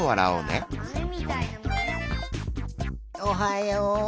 おはよう。